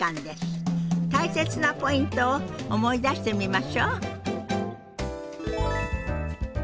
大切なポイントを思い出してみましょう。